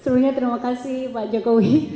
serunya terima kasih pak jokowi